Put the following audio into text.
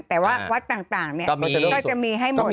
แต่ว่าวัดต่างก็จะมีให้หมด